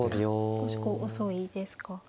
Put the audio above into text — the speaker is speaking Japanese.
少しこう遅いですか。